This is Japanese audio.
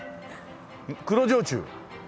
黒焼酎。